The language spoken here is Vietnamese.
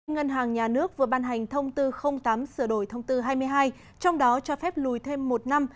ngân hàng nhà nước vừa ban hành thông tư tám sửa đổi thông tư hai mươi hai trong đó cho phép lùi thêm một năm